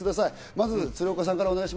まず鶴岡さんから。